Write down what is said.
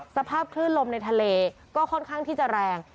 สภาพคลื่นลมในทะเลก็ค่อนข้างที่จะแรง